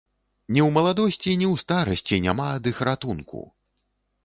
Ні ў маладосці, ні ў старасці няма ад іх ратунку!